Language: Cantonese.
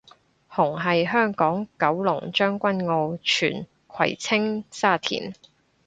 紅係香港九龍將軍澳荃葵青沙田